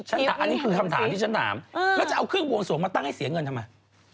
อันนี้คือคำถามที่ฉันถามแล้วจะเอาเครื่องบวงสวงมาตั้งให้เสียเงินทำไม